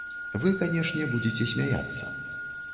Вы, канешне, будзеце смяяцца.